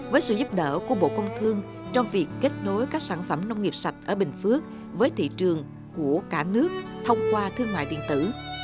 với sự giúp đỡ của bộ công thương trong việc kết nối các sản phẩm nông nghiệp sạch ở bình phước với thị trường của cả nước thông qua thương mại điện tử